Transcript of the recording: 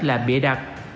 là bịa đặc